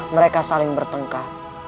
mereka saling bertengkar